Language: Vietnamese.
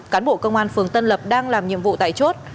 cán bộ công an phường tân lập đang làm nhiệm vụ tại chốt